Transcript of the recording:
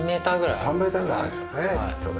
３メーターぐらいあるでしょうねきっとね。